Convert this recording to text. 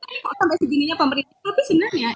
tapi kok sampai segininya pemerintah tapi sebenarnya